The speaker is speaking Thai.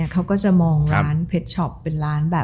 เขาก็จะมองร้านเพชรช็อปเป็นร้านแบบ